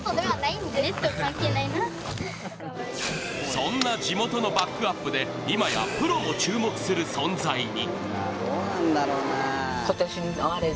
そんな地元のバックアップで今やプロも注目する存在に。